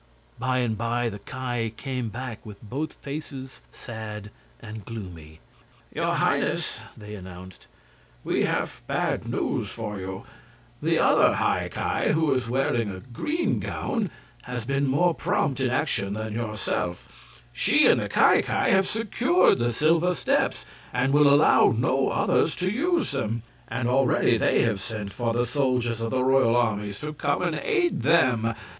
By and by the Ki came back with both faces sad and gloomy. "Your Highness," they announced, "we have bad news for you. The other High Ki, who is wearing a green gown, has been more prompt in action than yourself. She and the Ki Ki have secured the silver steps and will allow no others to use them; and already they have sent for the soldiers of the royal armies to come and aid them.